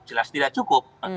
jelas tidak cukup